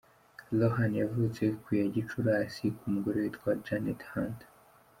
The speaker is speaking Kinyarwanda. Rohan yavutse ku ya Gicurasi , ku mugore witwa Janet Hunt ;.